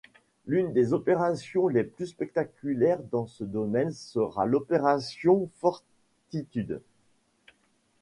L'une des opérations les plus spectaculaires dans ce domaine sera l'Opération Fortitude.